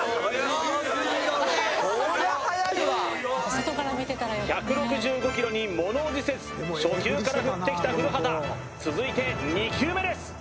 はっや１６５キロに物怖じせず初球から振ってきた古畑続いて２球目です！